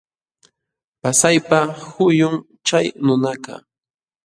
Pasaypa huyum chay nunakaq.